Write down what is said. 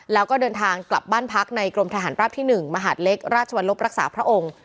แล้วก็เดินทางกลับบ้านพักในกรมทหารราบที่๑มหาดเล็กราชวรรลบรักษาพระองค์